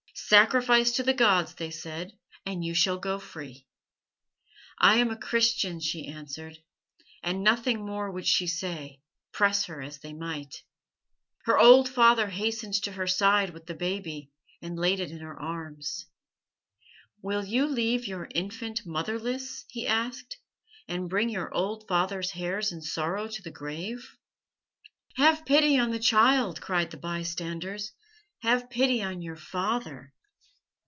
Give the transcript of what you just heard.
Sacrifice to the gods,' they said, 'and you shall go free.' 'I am a Christian,' she answered, and nothing more would she say, press her as they might. "Her old father hastened to her side with the baby, and laid it in her arms. 'Will you leave your infant motherless?' he asked, 'and bring your old father's hairs in sorrow to the grave?' "'Have pity on the child!' cried the bystanders. 'Have pity on your father!'